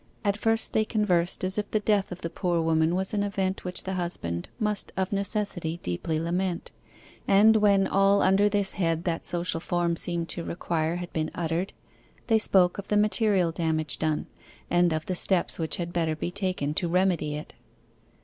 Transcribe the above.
At first they conversed as if the death of the poor woman was an event which the husband must of necessity deeply lament; and when all under this head that social form seemed to require had been uttered, they spoke of the material damage done, and of the steps which had better be taken to remedy it.